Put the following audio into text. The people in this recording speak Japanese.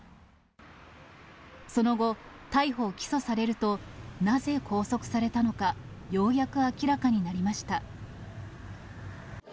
その後、逮捕・起訴されると、なぜ拘束されたのか、ようやく明らかになりました。